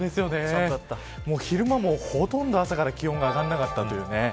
昼間もほとんど朝から気温が上がらなかったんです。